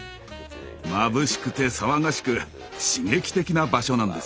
まぶしくて騒がしく刺激的な場所なんです。